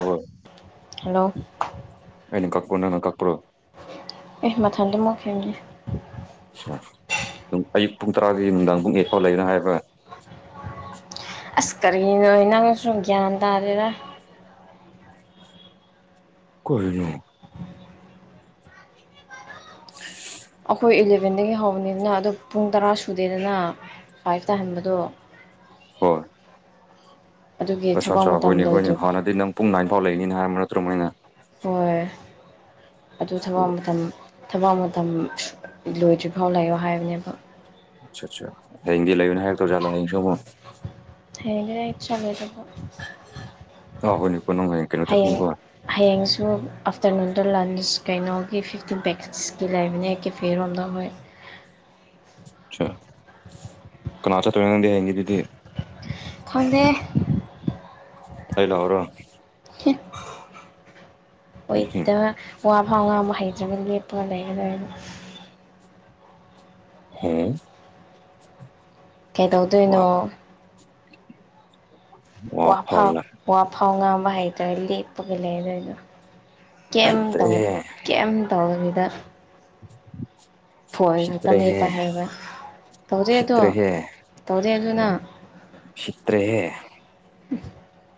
ꯍꯣꯏ ꯍꯂꯣ ꯀꯨꯅꯅ ꯀꯛꯄ꯭ꯔꯣ ꯑꯦ ꯃꯊꯟꯗ ꯃꯨꯠꯈꯤꯝꯅꯦ ꯁꯥ ꯑꯌꯨꯛ ꯄꯨꯡ ꯇꯔꯥꯒꯤ ꯅꯨꯡꯗꯥꯡ ꯄꯨꯡ ꯑꯩꯠ ꯐꯥꯎ ꯂꯩꯒꯔ ꯍꯥꯏꯕ꯭ꯔ [inaudible] ꯑꯁ ꯀꯔꯤꯅꯣꯍꯦ ꯅꯪꯁꯨ ꯒ꯭ꯌꯥꯟ ꯇꯥꯗꯦꯗ ꯀꯔꯤꯅꯣ ꯑꯈꯣꯏ ꯏꯂꯤꯞ ꯕꯦꯟꯗꯒꯤ ꯍꯧꯕꯅꯤꯗꯅ ꯑꯗꯣ ꯄꯨꯡ ꯇꯔꯥ ꯁꯧꯗꯦꯗꯅ ꯐꯥꯢꯐ ꯇ ꯍꯟꯕꯗꯣ ꯍꯣꯏ ꯑꯗꯨꯒꯤ ꯑꯠꯆꯥ ꯊꯕꯛ ꯑꯠꯆꯥ ꯃꯇꯝ ꯍꯣꯏꯅꯦ ꯍꯣꯏꯅꯦ ꯂꯣꯏꯗ꯭ꯔꯤꯕ ꯍꯥꯟꯅꯗꯤ ꯅꯪ ꯄꯨꯡ ꯅꯥꯏꯟ ꯐꯥꯎ ꯂꯩꯅꯤ ꯍꯥꯏꯕ ꯅꯠꯇ꯭ꯔꯣ ꯃꯣꯏꯅ ꯍꯣꯏ ꯑꯗꯨ ꯊꯕꯛ ꯃꯇꯝ ꯊꯕꯛ ꯃꯇꯝ ꯂꯣꯏꯗ꯭ꯔꯤ ꯐꯥꯎ ꯂꯩꯑꯣ ꯍꯥꯏꯕꯅꯦꯕ ꯑꯠꯆꯥꯥꯆꯥ ꯍꯌꯦꯡꯗꯤ ꯂꯩꯒꯅꯣ ꯍꯥꯏꯔꯛ ꯇꯧꯖꯥꯠꯂꯣ ꯍꯌꯦꯡꯁꯨ ꯑꯃꯨꯛ ꯍꯌꯦꯡꯗꯤ ꯑꯩ ꯆꯠꯂꯣꯢꯗꯕꯨ ꯑꯥ ꯍꯣꯏꯅꯦꯀꯣ ꯅꯪ ꯀꯩꯅꯣ ꯍꯌꯦꯡ ꯆꯠꯀꯅꯤꯀꯣ ꯍꯌꯦꯡꯁꯨ ꯑꯥꯐꯇꯔꯅꯨꯟ ꯇꯔ ꯂꯟꯁ ꯀꯩꯅꯣꯒꯤ ꯐꯤꯐꯇꯤꯟ ꯄꯦꯛꯀꯦꯠꯁꯀꯤ ꯂꯩꯕꯅꯦ ꯀꯦ ꯐꯦ ꯔꯣꯝꯗ ꯍꯣꯏ ꯆꯥ ꯀꯅꯥ ꯆꯠꯇꯣꯢꯅꯣ ꯅꯪꯗꯤ ꯍꯌꯦꯡ ꯑꯗꯨꯗꯤ ꯈꯪꯗꯦ ꯑꯩ ꯂꯥꯛꯑꯣꯔꯣ ꯑꯣꯏꯗ ꯋꯥ ꯐꯥꯎ ꯉꯥꯡꯕ ꯍꯩꯇ꯭ꯔꯒ ꯂꯦꯞꯄꯒ ꯂꯩꯔꯒ ꯂꯣꯏꯔꯦ ꯍꯝ ꯀꯩꯗꯧꯗꯣꯏꯅꯣ [inaudible] ꯋꯥ ꯐꯥꯎ ꯋꯥ ꯐꯥꯎ ꯉꯥꯡ ꯍꯩꯇꯔꯗꯤ ꯂꯦꯞꯄꯒ ꯂꯩꯗꯣꯏꯗꯣ ꯀꯩꯝ ꯇꯧ ꯎꯁꯤꯠꯇ꯭ꯔꯦꯍꯦ ꯀꯩꯝ ꯇꯧ [inaudible] [inaudible] ꯐꯣꯟ ꯈꯛꯇ ꯎꯁꯤꯠꯇ꯭ꯔꯦꯍꯦ ꯃꯦꯠꯄ ꯍꯩꯕ ꯇꯧꯗꯦ ꯑꯗꯣ ꯇꯧꯗꯦ ꯑꯗꯨꯅ ꯁꯤꯠꯇ꯭ꯔꯦꯍꯦ [inaudible]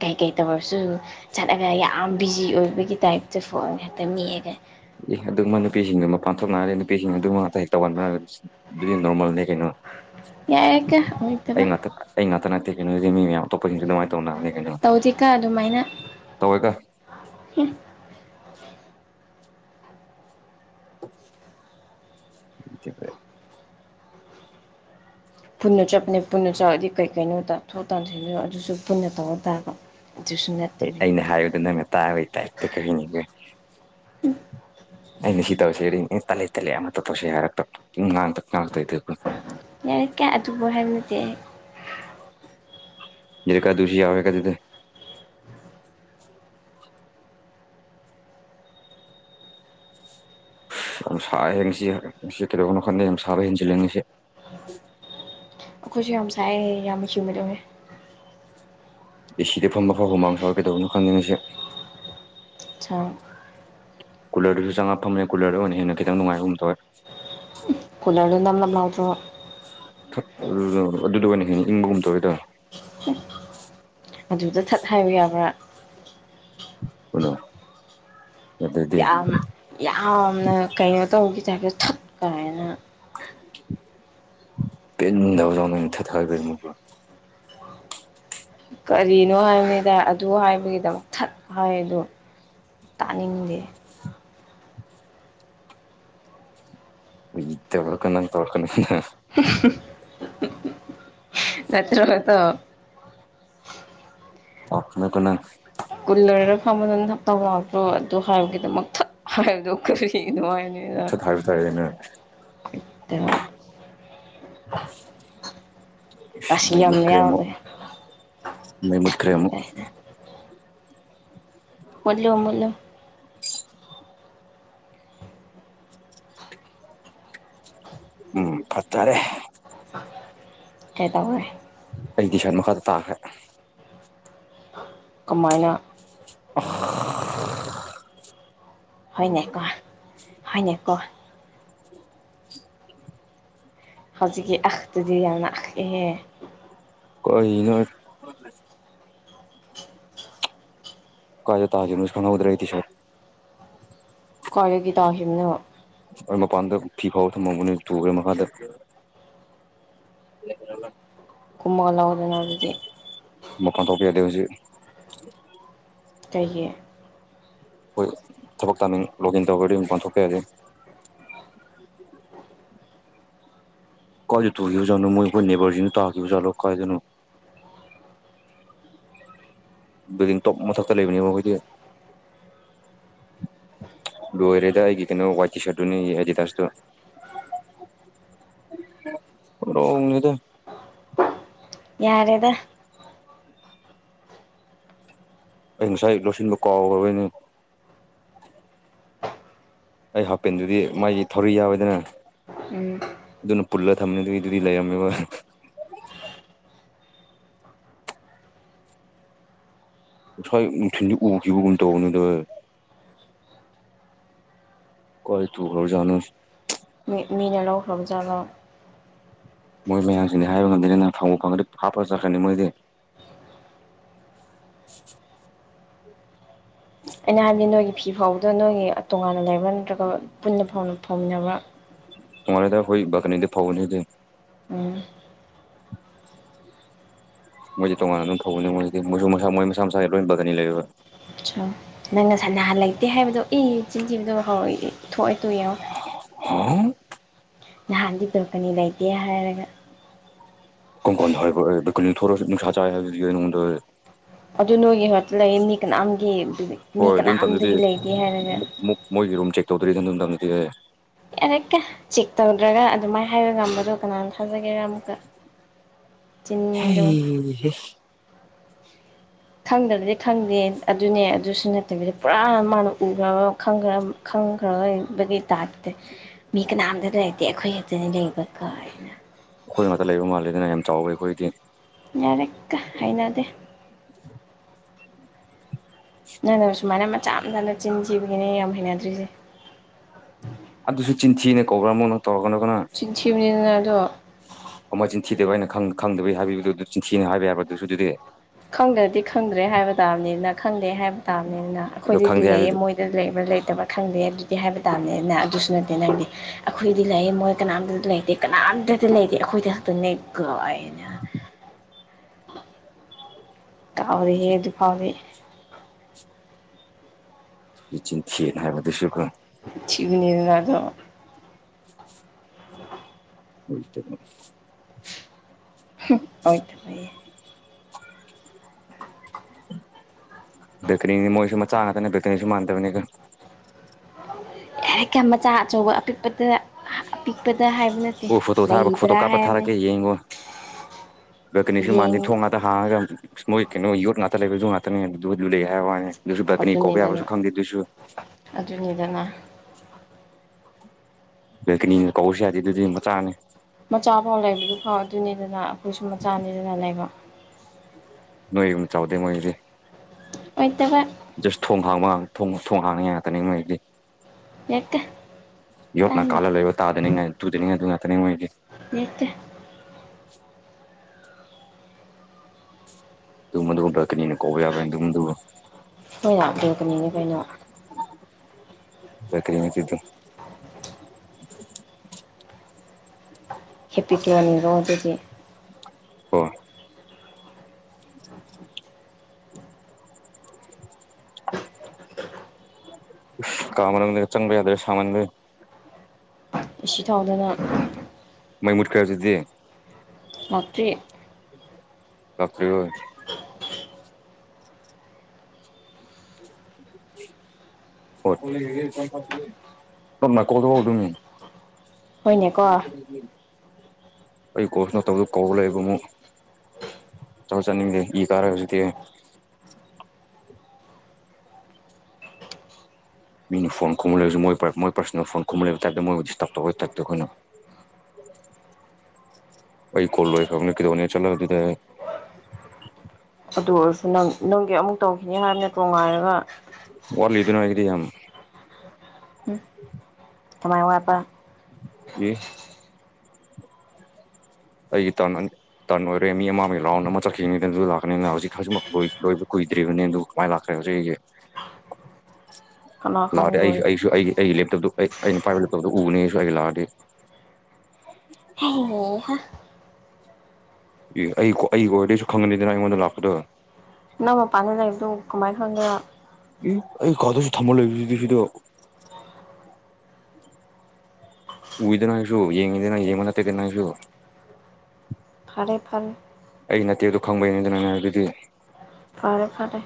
ꯀꯩꯀꯩ ꯇꯧꯔꯁꯨ ꯆꯠꯂꯒ ꯌꯥꯝ ꯕꯤꯖꯤ ꯑꯣꯏꯕꯒꯤ ꯇꯥꯏꯞꯇ ꯐꯣꯟ ꯉꯛꯇ ꯃꯦꯠ ꯑꯒ ꯑꯦ ꯑꯗꯨꯃ ꯅꯨꯄꯤꯁꯤꯡꯗꯨ ꯃꯄꯥꯟ ꯊꯣꯛꯅꯅꯥꯔꯦ ꯅꯨꯄꯤꯁꯤꯡ ꯑꯗꯨ ꯃꯛꯇ ꯍꯦꯛ ꯇꯧꯒꯟꯕꯔ ꯗꯨꯗ ꯅꯣꯔꯃꯜꯅꯤ ꯀꯩꯅꯣ ꯑꯩ ꯉꯥꯛꯇ [inaudible] [inaudible] ꯇꯧꯗꯦꯀꯣ ꯑꯗꯨꯃꯥꯏꯅ [inaudible] [inaudible] ꯄꯨꯟꯅ ꯆꯠꯄꯅꯦ ꯄꯨꯟꯅ ꯆꯠꯂꯗꯤ ꯀꯩ ꯀꯩꯅꯣ ꯇꯥꯊꯣꯛ ꯇꯥꯟꯁꯤꯟꯗꯣ ꯑꯗꯨꯁꯨ ꯄꯨꯟꯅ ꯇꯧꯔ ꯇꯥꯕ ꯑꯗꯨꯁꯨ ꯅꯠꯇꯕꯤꯗ ꯑꯩꯅ ꯍꯥꯏꯕꯗ ꯅꯪꯅ ꯇꯥꯕꯩ ꯇꯥꯏꯞꯇ ꯀꯩꯅꯤꯕ ꯑꯩꯅ ꯁꯤ ꯇꯧꯁꯦꯗꯤ ꯑꯝ ꯇꯜꯂꯦ ꯇꯜꯂꯦ ꯑꯃꯇꯣ ꯇꯧꯁꯦ ꯍꯥꯢꯔꯛꯄ ꯑꯝ ꯉꯥꯡ [unintelligible] [unintelligible] [unintelligible] ꯑꯩꯈꯣꯏꯁꯨ ꯌꯥꯝ ꯁꯥꯏ ꯌꯥꯝꯁꯤꯕꯗꯨꯅꯦ ꯑꯦꯁꯤꯗ ꯐꯝ ꯃ ꯐꯥꯎ ꯍꯨꯃꯥꯡ ꯁꯧꯌꯦ ꯀꯩꯗꯧꯕꯅꯣ ꯈꯪꯗꯦ ꯉꯁꯤ ꯑꯠꯆꯥ ꯀꯨꯂꯔꯗꯨꯁꯨ ꯆꯪꯉꯥꯐꯝꯃꯦ ꯀꯨꯂꯔꯗ ꯑꯣꯏꯅ ꯍꯟꯅ ꯈꯤꯇꯪ ꯅꯨꯡꯉꯥꯏꯒꯨꯝ ꯇꯧꯋꯦ ꯀꯨꯂꯔꯗꯨ ꯅꯞ ꯅꯞ ꯂꯥꯎꯗ꯭ꯔꯣ ꯑꯗꯨꯗ ꯑꯣꯏꯅ ꯍꯦꯟꯅ ꯏꯪꯕꯒꯨꯝ ꯇꯧꯏꯗ ꯑꯗꯨꯗ ꯊꯠ ꯍꯥꯏꯕ ꯌꯥꯕ꯭ꯔꯥ ꯀꯩꯅꯣ ꯑꯗꯨꯗꯤ ꯌꯥꯝ ꯌꯥꯝꯅ ꯀꯩꯅꯣ ꯇꯧꯕꯩ ꯇꯥꯞꯏꯇ ꯊꯠ ꯀꯥꯏꯅ [inaudible] [unintelligible] ꯀꯔꯤꯅꯣ ꯍꯥꯏꯕꯅꯤꯗ ꯑꯗꯨ ꯍꯥꯏꯕꯒꯤꯗꯃꯛ ꯊꯠ ꯍꯥꯏꯗꯣ ꯇꯥꯅꯤꯡꯗꯦ [unintelligible] [inaudible] ꯅꯠꯇ꯭ꯔꯣ ꯑꯗꯣ [unintelligible] ꯀꯨꯂꯔꯗ ꯐꯝꯕꯗꯣ [unintelligible] ꯑꯗꯨ ꯍꯥꯢꯕꯒꯤꯗꯃꯛ ꯊꯠ ꯍꯥꯢꯕꯗꯣ ꯀꯔꯤ ꯅꯣ ꯍꯥꯢꯕꯅꯤꯗ ꯁꯠ ꯍꯥꯏꯕ ꯇꯥꯔꯦꯅꯦ [inaudible] ꯁꯤꯁ ꯃꯩ ꯃꯨꯠꯈ꯭ꯔꯦ ꯑꯃꯨꯛ ꯃꯩ ꯊꯠ ꯃꯨꯠꯈ꯭ꯔꯦ ꯑꯃꯨꯛ ꯃꯨꯠꯂꯨ ꯃꯨꯠꯂꯨ ꯎꯝ ꯐꯠꯇꯔꯦ ꯀꯩꯗꯧꯔꯦ ꯑꯩ ꯇꯤꯁꯥꯔꯠ ꯃꯈꯥꯗ ꯇꯥꯈ꯭ꯔꯦ ꯀꯃꯥꯏꯅ [unintelligible] ꯍꯣꯏꯅꯦꯀꯣ ꯍꯣꯏꯅꯦꯀꯣ [inaudible] ꯍꯧꯖꯤꯛꯀꯤ ꯑꯍꯥ ꯗꯨꯗꯤ ꯌꯥꯝꯅ [unintelligible] ꯀꯔꯤꯅꯣ ꯀꯥꯏꯗ ꯇꯥꯒꯤꯝꯅꯣꯁꯨ ꯈꯪꯍꯧꯗ꯭ꯔꯦ ꯇꯤꯁꯥꯔꯠ ꯀꯥꯏꯗꯒꯤ ꯇꯧꯈꯤꯝꯅꯣ ꯑꯥ ꯃꯄꯥꯟꯗ ꯐꯤ ꯐꯧꯔ ꯊꯝꯍꯧꯕꯅꯤ ꯄꯨꯈ꯭ꯔꯦ ꯃꯈꯥꯗ [inaudible] ꯀꯨꯝꯃꯒ ꯂꯥꯎ ꯃꯄꯥꯟ ꯊꯣꯛꯄ ꯌꯥꯗꯦ ꯍꯧꯖꯤꯛ ꯀꯩꯒꯤ ꯑꯈꯣꯏ ꯊꯕꯛ ꯇꯥꯃꯤꯡ ꯂꯣꯒꯏꯟ ꯇꯧꯒ꯭ꯔꯗꯤ ꯃꯄꯥꯟ ꯊꯣꯛꯄ ꯌꯥꯗꯦ [inaudible] ꯀꯥꯏꯗ [unintelligible] ꯈꯤꯕꯖꯥꯠꯅꯣ ꯑꯈꯣꯏ ꯅꯦꯕ꯭ꯔꯁꯤꯡꯗ ꯇꯥꯕ ꯖꯥꯠꯂꯣ ꯀꯥꯏꯗꯅꯣ ꯕꯤꯜꯗꯤꯡ ꯇꯣꯞ ꯃꯊꯛꯇ ꯂꯩꯕꯅꯦꯕ ꯑꯈꯣꯏꯗꯤ ꯂꯣꯏꯔꯦꯗ ꯑꯩꯒꯤ ꯀꯩꯅꯣ ꯋꯥꯏꯠ ꯇꯤꯁꯥꯔꯠ ꯇꯨꯅꯤ ꯌꯥꯗꯤꯗꯥꯁꯇꯨ ꯍꯣꯔꯣꯡꯅꯤꯗ ꯌꯥꯔꯦꯗ ꯑꯩ ꯉꯁꯥꯏ ꯂꯧꯁꯤꯟꯕ ꯀꯥꯎꯒ꯭ꯔꯕꯩꯅꯦ ꯑꯩ ꯍꯥꯄꯦꯟꯗꯨꯗꯤ ꯃꯥꯒꯤ ꯊꯧꯔꯤ ꯌꯥꯎꯋꯦꯗꯅ ꯎꯝ ꯑꯗꯨꯅ ꯄꯨꯜꯂ ꯊꯝꯃꯤ ꯑꯗꯨꯒꯤ ꯑꯗꯨꯗꯤ ꯂꯩꯔꯝꯃꯦꯕ ꯉꯁꯥꯏ ꯅꯨꯡꯊꯤꯜꯗꯤ ꯎꯒꯤꯕꯒꯨꯝ ꯇꯧꯕꯅꯦꯗꯥꯏ ꯀꯥꯏ ꯊꯨꯈ꯭ꯔꯕ ꯖꯥꯠꯅꯣ ꯃꯤ ꯃꯤꯅ ꯂꯧꯈ꯭ꯔꯕ ꯖꯥꯠꯂꯣ ꯃꯣꯏ ꯃꯌꯥꯡꯁꯤꯗꯤ ꯍꯥꯏꯕ ꯉꯝꯗꯅꯦ ꯅ ꯐꯪꯕꯨ ꯐꯪꯉꯗꯤ ꯍꯥꯞꯄ ꯆꯠꯈꯔꯅꯤ ꯃꯣꯏꯗꯤ [inaudible] ꯑꯩꯅ ꯍꯥꯏꯕꯗꯤ ꯅꯣꯏꯒꯤ ꯐꯤ ꯐꯧꯕꯗꯣ ꯅꯣꯏꯒꯤ ꯇꯣꯉꯥꯟꯅ ꯂꯩꯕꯔ ꯅꯠꯇ꯭ꯔꯒ ꯄꯨꯟꯅ ꯐꯥꯎ ꯐꯥꯎꯃꯤꯟꯅꯕ꯭ꯔ ꯇꯨꯉꯂꯦꯗ ꯈꯣꯏ ꯕꯜꯀꯅꯤꯗ ꯐꯥꯎꯕꯅꯦꯗꯦ ꯎꯝ ꯃꯣꯏꯁꯦ ꯇꯣꯉꯥꯟꯅ ꯑꯗꯨꯝ ꯐꯧꯕꯅꯤ ꯃꯣꯏꯗꯤ ꯃꯣꯏꯁꯨ ꯃꯁꯥ ꯃꯣꯏ ꯃꯁꯥ ꯃꯁꯥꯒꯤ ꯂꯣꯏ ꯕꯒꯅꯤ ꯂꯩꯕ ꯑꯆꯥ ꯅꯪꯅ ꯁ ꯅꯍꯥꯟ ꯂꯩꯇꯦ ꯍꯥꯏꯕꯗꯣ ꯏ ꯆꯤꯟꯇꯤꯕꯗꯣ ꯍꯧꯔꯛꯏ ꯊꯣꯛꯑꯦ ꯇꯨ ꯌꯦꯉꯣ ꯍꯥ ꯅꯍꯥꯟꯗꯤ ꯕꯦꯜꯀꯅꯤ ꯂꯩꯇꯦ ꯍꯥꯏꯔꯒ ꯀꯔꯝ ꯀꯣꯟꯗ ꯍꯥꯏꯕ ꯑꯩ ꯕꯦꯀꯣꯅꯤ ꯊꯣꯛꯔꯛꯁꯨ ꯅꯨꯡꯁꯥ ꯆꯥꯏ ꯍꯥꯏꯗꯨꯗꯤ ꯑꯩꯉꯣꯟꯗ ꯑꯩ ꯑꯗꯨ ꯅꯣꯏꯒꯤ ꯍꯠꯇ ꯂꯩ ꯃꯤ ꯀꯅꯥꯝꯒꯤ ꯃꯤ ꯍꯣꯏ ꯑꯗꯨ ꯃꯇꯝꯗꯗꯤ ꯀꯅꯥꯝꯗꯒꯤ ꯂꯩꯇꯦ ꯍꯥꯏꯔꯒ ꯃꯨꯛ ꯃꯣꯏꯒꯤ ꯔꯨꯝ ꯆꯦꯛ ꯇꯧꯗ꯭ꯔꯤꯗ ꯗꯨꯝ ꯃꯇꯝꯗꯤ ꯑꯩ ꯌꯥꯔꯦꯀ ꯆꯦꯛ ꯇꯧꯗ꯭ꯔꯒ ꯑꯗꯨꯃꯥꯏꯅ ꯍꯥꯏꯕ ꯉꯝꯕꯗꯣ ꯀꯅꯥꯅ ꯊꯥꯖꯒꯦꯔꯥ ꯑꯃꯨꯛꯀ ꯆꯤꯟꯗꯣ ꯍꯩꯍꯦ ꯈꯪꯗꯕꯗꯤ ꯈꯪꯗꯦ ꯑꯗꯨꯅꯦ ꯑꯗꯨꯁꯨ ꯅꯠꯇꯕꯤꯗ ꯄꯨꯔꯥ ꯃꯥꯅ ꯎꯈ꯭ꯔꯕ ꯈꯪꯈ꯭ꯔ ꯈꯪꯈ꯭ꯔꯕꯒꯤ ꯇꯥꯏꯞꯇ ꯃꯤ ꯀꯅꯥꯝꯇ ꯂꯩꯇꯦ ꯑꯩꯈꯣꯏꯒꯤ ꯑꯈꯣꯏꯗꯅꯤ ꯂꯩꯕ ꯀꯥꯏꯅ ꯉꯥꯛꯇ ꯂꯩꯕ ꯃꯥꯜꯂꯦꯗꯅ ꯌꯥꯝ ꯆꯥꯎꯋꯦ ꯑꯈꯣꯏꯗꯤ ꯌꯥꯔꯀꯣ ꯍꯩꯅꯗꯦ ꯅꯪꯅ ꯁꯨꯃꯥꯏꯅ ꯃꯆꯥ ꯃꯆꯥ ꯅꯆꯤꯟꯊꯤꯕꯒꯤꯅꯦ ꯑꯩ ꯌꯥꯝ ꯍꯩꯅꯗ꯭ꯔꯤꯁꯦ ꯑꯗꯨꯁꯨ ꯆꯤꯟꯊꯤꯅ ꯀꯧꯕ꯭ꯔꯥ ꯑꯃꯨꯛ ꯅꯪ ꯇꯧꯔꯛꯀꯅꯣ ꯆꯤꯟ ꯊꯤꯕꯅꯤꯅ ꯑꯗꯣ ꯀꯃꯥꯢ ꯆꯤꯟꯊꯤꯗꯕ ꯑꯩꯅ ꯈꯪ ꯈꯪꯗꯕꯒꯤ ꯍꯥꯏꯕꯤꯕꯗꯨ ꯑꯗꯨ ꯆꯤꯟꯊꯤꯅ ꯍꯥꯏꯕ ꯌꯥꯕ ꯑꯗꯨꯁꯨ ꯑꯗꯨꯗꯤ ꯈꯪꯗ꯭ꯔꯗꯤ ꯈꯪꯗ꯭ꯔꯦ ꯍꯥꯏꯕ ꯇꯥꯕꯅꯤꯅ ꯈꯪꯗꯦ ꯍꯥꯏꯕ ꯇꯥꯕ ꯑꯗꯨꯅꯤꯅ ꯑꯗꯨ ꯑꯩꯈꯣꯏꯗꯨꯗꯤ ꯈꯪꯗꯦ ꯂꯩꯌꯦ ꯍꯥꯏꯕꯗꯨꯗꯤ ꯃꯣꯏꯗ ꯂꯩꯕ ꯂꯩꯇꯕ ꯈꯪꯗꯦ ꯑꯗꯨꯗꯤ ꯍꯥꯏꯕ ꯇꯥꯕꯅꯤꯅ ꯑꯗꯨꯁꯨ ꯅꯠꯇꯦ ꯅꯪꯗꯤ ꯑꯩꯈꯣꯏꯗꯤ ꯂꯩꯌꯦ ꯃꯣꯏ ꯀꯅꯥꯝꯗꯤ ꯂꯩꯇꯦ ꯀꯅꯥꯝ ꯇꯗꯤ ꯂꯩꯇꯦ ꯑꯩꯈꯣꯏꯗ ꯈꯛꯇꯅꯦ ꯀꯥꯢ ꯀꯥꯎꯔꯦꯍꯦ ꯑꯗꯨ ꯐꯥꯎꯗꯤ ꯃꯆꯤꯟ ꯊꯤꯌꯦꯅ ꯍꯥꯏꯕ ꯑꯗꯨꯁꯨ ꯀꯣ ꯊꯤꯒꯅꯤꯗꯅꯥ ꯑꯗꯣ ꯑꯣꯢꯇꯕ ꯍꯝ ꯑꯣꯢꯗꯕ ꯍꯥꯢꯌꯦ [inaudible] ꯕꯦꯀꯔꯤꯅꯦ ꯃꯣꯏꯁꯨ ꯃꯆꯥ ꯉꯥꯛꯇꯅꯦ ꯕꯦꯀꯔꯤꯁꯨ ꯃꯥꯟꯗꯕꯅꯤꯗ ꯌꯥꯔꯦ ꯀ ꯃꯆꯥ ꯑꯆꯧꯕ ꯑꯄꯤꯛꯄꯗ ꯑꯄꯤꯛꯄ ꯑꯣ ꯐꯣꯇꯣ ꯊꯥꯔ ꯐꯣꯇꯣ ꯀꯥꯞꯄ ꯊꯥꯔꯛꯀꯦ ꯌꯦꯡꯉꯣ ꯕꯦꯜꯀꯅꯤꯁꯨ ꯃꯥꯥꯟꯗꯦ ꯌꯦꯡ ꯊꯣꯡꯉꯇ ꯍꯥꯡꯉꯒ ꯃꯁ ꯃꯣꯢ ꯀꯩꯅꯣ ꯌꯣꯠ ꯇ ꯂꯩꯕ ꯗꯨ ꯉꯥꯛꯇꯅꯦ ꯑꯗꯨ ꯑꯗꯨ ꯂꯩ ꯍꯥꯏ ꯋꯥꯅꯤ ꯑꯗꯨꯁꯨ ꯕꯦꯜꯀꯅꯤ ꯀꯧꯕ ꯌꯥꯕ꯭ꯔꯁꯨ ꯑꯗꯨꯅꯤꯗꯅ ꯈꯪꯗꯦ ꯑꯗꯨꯁꯨ ꯑꯗꯨꯅꯤꯗꯅ ꯕꯦꯜꯀꯅꯤꯅ ꯀꯧꯔꯁꯨ ꯌꯥꯗꯦ ꯑꯗꯨꯗꯤ ꯃꯆꯥꯅꯦ ꯃꯆꯥꯐꯥꯎ ꯂꯩꯕꯗꯨꯐꯥꯎ ꯑꯗꯨꯅꯤꯗꯅ ꯑꯩꯈꯣꯏꯁꯨ ꯃꯆꯥꯅꯤꯗꯅ ꯂꯩꯕ ꯅꯣꯏ ꯒꯨꯝ ꯆꯥꯎꯗꯦ ꯃꯣꯏꯒꯤꯗꯤ ꯑꯣꯏꯇꯕ ꯖꯁ ꯊꯣꯡ ꯍꯥꯡꯕ ꯊꯣꯡ ꯊꯣꯡ ꯍꯥꯡꯅꯤꯉꯥꯢ ꯉꯥꯛꯇꯅꯤ ꯃꯣꯢꯒꯤꯗꯤ ꯌꯦꯡꯀ ꯌꯣꯠꯅ ꯀꯥꯂ ꯂꯩꯕ ꯇꯥꯗꯅꯤꯡꯉꯥꯢ ꯇꯨꯗꯅꯤꯡꯉꯥꯢ ꯑꯗꯨ ꯉꯥꯛꯇꯅꯤ ꯃꯣꯢꯗꯤ ꯅꯠꯇꯦ ꯇꯨ ꯃꯗꯨ ꯕꯦꯜꯀꯅꯤꯅ ꯀꯧꯕ ꯌꯥꯕ꯭ꯔꯅꯦ ꯑꯗꯨꯒꯨꯝꯗꯨꯕꯣ ꯍꯣꯏ ꯂꯥꯛꯄꯤꯔꯛꯀꯅꯤꯅꯦ ꯀꯩꯅꯣ ꯆꯠꯀꯅꯤ ꯍꯨꯖꯤꯛꯇꯨ ꯇꯨꯝ ꯍꯦꯞꯄꯤꯗꯦꯟꯠ ꯅꯣꯡ ꯁꯤꯗꯤ ꯑꯣ [inaudible] [inaudible] ꯑꯁ ꯀꯥ ꯃꯅꯨꯡꯒ ꯆꯪꯕ ꯌꯥꯗ꯭ꯔꯦ ꯁꯥꯃꯟꯕꯩ ꯏꯁꯤ ꯊꯥꯎꯗꯅ ꯃꯩ ꯃꯨꯠ ꯈ꯭ꯔꯦ ꯍꯧꯖꯤꯛꯗꯤ ꯂꯥꯛꯇ꯭ꯔꯤ ꯂꯥꯛꯇ꯭ꯔꯤꯔꯣꯢ ꯀꯣꯗ ꯅ ꯀꯣꯗ ꯇ ꯑꯣꯏꯗꯣꯢꯅꯤ ꯍꯣꯏꯅꯦꯀꯣ ꯀꯩ ꯀꯣꯁꯅꯣ ꯇꯧꯗ ꯀꯧꯕ ꯂꯩꯕ ꯑꯃꯨꯛ ꯆꯥꯖꯨ ꯆꯥꯅꯤꯡꯗꯦ ꯏ ꯀꯥꯔꯦ ꯍꯧꯖꯤꯛꯇꯤ ꯑꯩ ꯃꯤꯅ ꯐꯣꯟ ꯈꯨꯝꯃ ꯂꯩꯔꯁꯨ ꯃꯣꯏ ꯄꯔ ꯃꯣꯏ ꯄꯔꯁꯅꯦꯜ ꯐꯣꯟ ꯈꯨꯝꯔ ꯂꯩꯕ ꯇꯥꯏꯞꯇ ꯃꯣꯏꯕꯨ ꯗꯤꯁꯇꯔꯞ ꯇꯧꯕꯒꯤ ꯇꯥꯏꯞꯇ ꯑꯩꯈꯣꯏꯅ [inaudible] ꯑꯩ ꯀꯣꯜ ꯂꯣꯏꯈꯔ꯭ꯕꯅꯤ ꯀꯩꯗꯧꯅꯤ ꯑꯩ ꯆꯇꯂꯥ ꯑꯗꯨꯗꯤ ꯑꯗꯨ ꯑꯣꯏꯔꯁꯨ ꯅꯪ ꯅꯪꯒꯤ ꯑꯃꯨꯛ ꯇꯧꯈꯤꯅꯤ ꯍꯥꯏꯕ ꯅꯠꯔꯣ ꯉꯥꯏꯔꯒ ꯋꯥꯠꯂꯤꯗ ꯑꯩꯒꯤꯗꯤ ꯌꯥꯝ [inaudible] ꯀꯥꯃꯥꯏ ꯋꯥꯠꯄꯥ ꯑꯦ ꯑꯩꯒꯤ ꯇꯟ ꯇꯟ ꯑꯣꯏꯔꯦ ꯃꯤ ꯑꯃꯒꯤ ꯔꯥꯎꯟ ꯑꯃ ꯆꯠꯈꯤꯅꯤꯗꯅ ꯑꯗꯨ ꯂꯥꯛꯀꯅꯤꯅ ꯍꯧꯖꯤꯛ ꯍꯨꯖꯤꯛꯃꯀ ꯀꯨꯢ ꯂꯣꯢꯕ ꯀꯨꯢ ꯀꯨꯢꯗ꯭ꯔꯤꯕꯅꯦ ꯑꯗꯨ ꯀꯃꯥꯏ ꯂꯥꯛꯈ꯭ꯔꯦ ꯍꯨꯖꯤꯛ ꯑꯩꯒꯤ ꯀꯅꯥ ꯂꯥꯛꯑꯔꯦ ꯈꯪꯗꯣꯏ ꯑꯩꯁꯨ ꯑꯩꯁꯨ ꯑꯩ ꯑꯩꯒꯤ ꯂꯦꯞꯇꯣꯞꯇꯣ ꯑꯩ ꯑꯩꯅ ꯄꯥꯏꯕ ꯂꯦꯞꯇꯣꯞꯗꯣ ꯎꯒꯅꯤ ꯑꯩꯁꯨ ꯂꯥꯛꯑꯗꯤ ꯍꯩꯍꯥ ꯑꯦ ꯑꯩ ꯑꯩꯒꯤ ꯑꯣꯏꯔꯗꯤ ꯑꯩꯁꯨ ꯈꯪꯒꯅꯤꯗꯅ ꯑꯩꯉꯣꯟꯗ ꯂꯥꯛꯄꯗꯣ ꯅꯪ ꯃꯄꯥꯟꯗꯥ ꯂꯩꯕꯗꯨ ꯀꯃꯥꯏꯅ ꯈꯪꯒꯦꯔꯥ ꯏ ꯑꯩ ꯀꯥꯗꯁꯨ ꯊꯝꯃ ꯂꯩꯕꯁꯤꯗ ꯎꯏꯗꯅ ꯑꯩꯁꯨ ꯌꯦꯡꯉꯤꯗꯅ ꯌꯦꯡꯕꯥ ꯅꯥꯠꯇꯦꯗꯅ ꯑꯩꯁꯨ ꯐꯔꯦ ꯐꯔꯦ ꯑꯩ ꯅꯠꯇꯦꯗꯣ ꯈꯪꯕꯩꯅꯤꯗꯅ ꯅꯪ ꯉꯥꯡꯉꯤꯗꯨꯗꯤ ꯐꯔꯦ ꯐꯔꯦ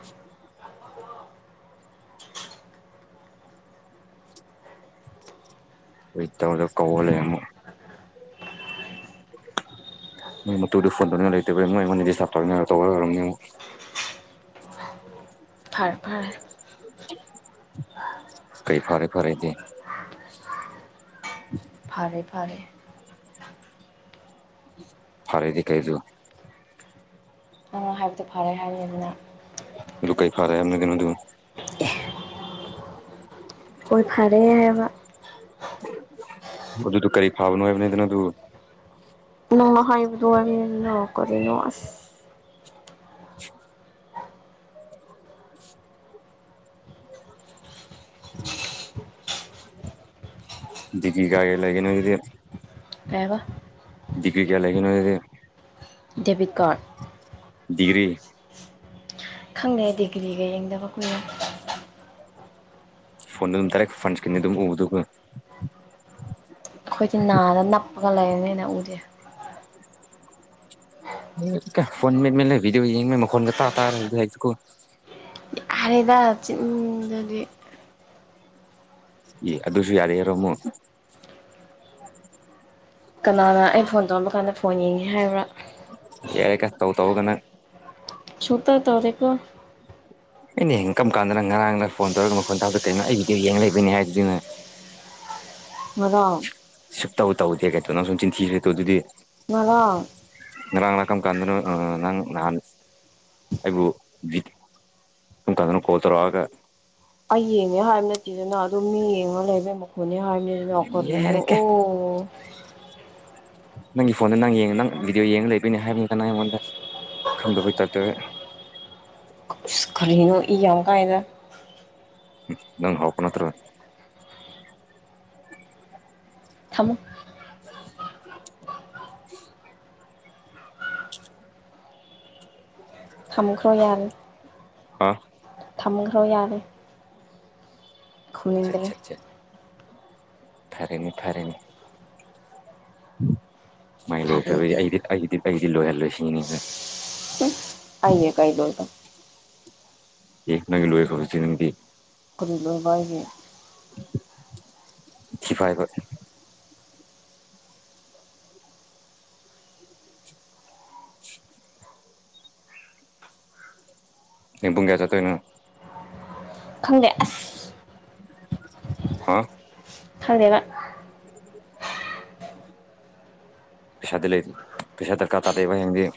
ꯑꯩ ꯇꯧꯒ ꯀꯧꯔꯥ ꯂꯩꯔꯝꯃꯨ ꯃꯣꯏ ꯃꯇꯨꯗꯨ ꯐꯣꯟ ꯇꯧꯅꯤꯡꯉꯥꯏ ꯂꯩꯇꯕꯩ ꯃꯣꯏ ꯑꯩꯉꯣꯟꯗꯥ ꯗꯤꯁꯇꯞ ꯇꯧꯔꯤꯅꯦ ꯇꯧꯔꯥ ꯂꯩꯔꯝꯅꯤ ꯑꯃꯨꯛ [inaudible] ꯐꯥꯔꯦ ꯐꯥꯔꯦ ꯀꯩ ꯐꯔꯦ ꯐꯔꯦꯗꯤ [inaudible] ꯐꯔꯦ ꯐꯔꯦ ꯐꯔꯦꯗꯤ ꯀꯩꯗꯨ ꯑꯣ ꯍꯥꯏꯕꯗꯣ ꯐꯔꯦ ꯍꯥꯏꯕꯅꯤ ꯗꯅ ꯑꯗꯨ ꯀꯩ ꯐꯥꯔꯦ ꯍꯥꯏꯕꯅꯣ ꯗꯨ ꯑꯦ ꯍꯣꯏ ꯐꯔꯦ ꯍꯥꯏꯕ ꯑꯗꯨꯗ ꯀꯔꯤ ꯐꯥꯕꯅꯣ ꯍꯥꯏꯕꯅꯤꯗꯅ ꯑꯗꯨ ꯅꯪ ꯍꯥꯏꯕꯗꯨ ꯍꯥꯏꯕꯅꯤꯗ ꯀꯔꯤꯅꯣ ꯑꯁ [inaudible] ꯗꯤꯒ꯭ꯔꯤ ꯀꯥꯌꯒꯤ ꯂꯩꯒꯦ ꯗꯨꯗꯤ ꯀꯩ ꯑꯕꯥ ꯗꯤꯒ꯭ꯔꯤ ꯀꯌꯥ ꯂꯩꯒꯦ ꯅꯣꯏꯗꯗꯤ ꯗꯦꯕꯤꯠ ꯀꯥꯔꯗ ꯗꯤꯒ꯭ꯔꯤ ꯈꯪꯗꯦ ꯗꯤꯒ꯭ꯔꯤꯒ ꯌꯦꯡꯗꯕ ꯀꯨꯏꯔꯦ ꯐꯣꯟꯗ ꯑꯗꯨꯝ ꯗꯥꯏꯔꯦꯛ ꯐꯟ ꯁꯀꯔ꯭ꯤꯟ ꯗꯩ ꯑꯗꯨꯝ ꯎꯕꯗꯨ ꯀꯩꯅꯣ ꯑꯈꯣꯏꯗꯤ ꯅꯥꯗ ꯅꯞꯄꯒ ꯂꯩꯔꯕꯅꯤꯅꯥ ꯎꯗꯦ ꯐꯣꯟ ꯃꯦꯠ ꯃꯦꯠꯂꯦ ꯕꯤꯗꯤꯑꯣ ꯌꯦꯡꯕꯩ ꯃꯈꯣꯜ ꯇꯔꯥ ꯇꯔꯥ ꯂꯩꯗꯥꯀꯣ ꯍꯥꯏꯔꯦꯗꯥ ꯆꯤꯟꯗꯨꯗꯤ ꯑꯦ ꯑꯗꯨꯁꯨ ꯌꯥꯔꯦꯔꯣꯃꯨꯛ ꯀꯅꯥꯅ ꯑꯩ ꯐꯣꯟ ꯇꯧꯔꯝꯕ ꯀꯥꯟꯗ ꯐꯣꯟ ꯌꯦꯡꯉꯦ ꯍꯥꯏꯕ꯭ꯔꯥ ꯌꯥꯏ ꯇꯧꯇꯧꯗ ꯅꯪ ꯁꯨꯛꯇꯧ ꯇꯧꯗꯦꯀꯣ ꯑꯩꯅ ꯀꯔꯝ ꯀꯥꯟꯗ ꯉꯔꯥꯡꯅ ꯐꯣꯟ ꯇꯧꯔꯒ ꯃꯈꯣꯟ ꯇꯥꯕꯗꯥ ꯀꯩꯅꯣ ꯑꯩ ꯚꯗꯤꯑꯣ ꯌꯦꯡ ꯂꯩꯕꯩꯅꯤ ꯍꯥꯏꯗꯨꯗꯤ ꯅꯪ ꯉꯔꯥꯡ ꯁꯨꯛꯇꯩ ꯇꯧꯗꯦ ꯀꯥꯏꯗꯣ ꯅꯪꯁꯨ ꯆꯤꯟ ꯊꯤꯔꯦꯀꯣ ꯑꯗꯨꯗꯤ ꯉꯔꯥꯡ ꯉꯔꯥꯡ ꯀꯔꯝ ꯀꯥꯟꯗꯅꯣ ꯅꯪ ꯅꯍꯥꯟ ꯑꯩꯕꯨ ꯚꯤ ꯀꯔꯝ ꯀꯥꯟꯗ ꯀꯣꯜ ꯇꯧꯔꯛꯂꯒ ꯑꯩ ꯌꯦꯡꯉꯦ ꯍꯥꯏꯕ ꯅꯠꯇꯦꯗꯅ ꯑꯗꯨꯝ ꯃꯤ ꯌꯦꯡꯉ ꯂꯩꯕꯦꯝꯃ ꯌꯦꯡꯉꯦ ꯍꯥꯏꯕꯅꯤꯅ ꯀꯔꯤꯅꯣ ꯌꯥꯔꯦꯀꯦ ꯑꯣ ꯅꯪꯒꯤ ꯐꯣꯟꯗ ꯅꯪ ꯌꯦꯡꯉ ꯅꯪ ꯚꯤꯗꯤꯑꯣ ꯌꯦꯡꯉ ꯂꯩꯕꯅꯦ ꯍꯥꯏꯕꯅꯤ ꯅꯪ ꯑꯩꯉꯣꯟꯗ ꯈꯪꯗꯕꯩꯏ ꯇꯥꯏꯇ ꯏꯁ ꯀꯔꯤꯅꯣ ꯏ ꯌꯥꯝ ꯀꯥꯏꯗ ꯍꯪ ꯅꯪ ꯍꯧꯔꯛꯄ ꯅꯠꯇ꯭ꯔ ꯊꯝꯃꯣ ꯊꯝꯈ꯭ꯔꯣ ꯌꯔꯦ ꯍꯥ ꯊꯝꯈ꯭ꯔꯣ ꯌꯥꯔꯦ ꯁꯠ ꯈꯨꯝꯅꯤꯡꯗ꯭ꯔꯦ ꯁꯠ ꯁꯠ ꯐꯔꯦꯅꯦ ꯐꯔꯦꯅꯦ ꯃꯥꯢ ꯂꯣꯢꯖꯕꯒꯤ ꯐꯔꯦꯒ ꯑꯩꯗꯤ ꯑꯩꯒꯤꯗꯤ ꯑꯩꯗꯤ ꯂꯣꯢꯍꯜꯂꯣꯢ ꯁꯤꯅꯤꯅꯦ ꯑꯩꯅ ꯀꯩꯗꯧꯔꯤꯕ ꯑꯦ ꯅꯣꯢꯒꯤ ꯂꯣꯢꯈ꯭ꯔꯕ ꯑꯗꯨ ꯅꯨꯃꯤꯠꯇꯤ ꯑꯗꯨꯗ ꯕꯥꯢꯅꯦ ꯊꯤ ꯐꯥꯏꯕ ꯍꯌꯦꯡ ꯄꯨꯡ ꯀꯌꯥ ꯆꯠꯇꯣꯏꯅꯣ ꯈꯪꯗꯦ ꯑꯁ ꯑ ꯈꯪꯗꯦꯕ [inaudible] ꯄꯩꯁꯥꯗꯤ ꯂꯩ ꯄꯩꯁꯥ ꯗ꯭ꯔꯀꯥꯔ ꯇꯗꯩꯕ ꯍꯌꯦꯡꯗꯤ